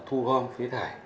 thu hôm phế thải